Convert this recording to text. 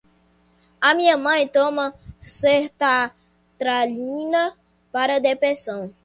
A minha mãe toma sertralina para a depressão